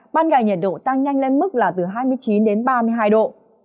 ban ngày nhiệt độ tăng nhanh lên mức là từ hai mươi chín đến ba mươi hai độ